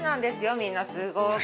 みんなすごく。